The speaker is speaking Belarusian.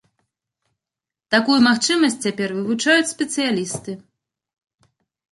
Такую магчымасць цяпер вывучаюць спецыялісты.